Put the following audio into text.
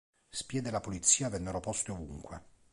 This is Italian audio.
Spie della polizia vennero poste ovunque.